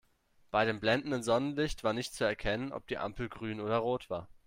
Bei dem blendenden Sonnenlicht war nicht zu erkennen, ob die Ampel grün oder rot war.